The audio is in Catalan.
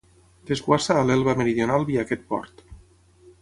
Desguassa a l'Elba meridional via aquest port.